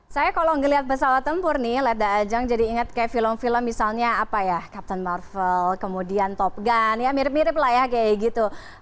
saya kalau melihat pesawat tempur nih leda ajang jadi ingat kayak film film misalnya apa ya captain marvel kemudian top gun ya mirip mirip lah ya kayak gitu